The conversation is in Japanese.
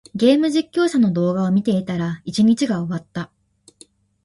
ゲーム実況者の動画を見ていたら、一日が終わった。